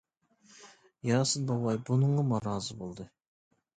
ياسىن بوۋاي بۇنىڭغىمۇ رازى بولدى.